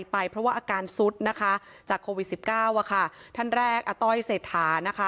กำลังใจไปเพราะว่าอาการซุดนะคะจากโควิด๑๙อ่ะค่ะท่านแรกอาต้อยเสถานะคะ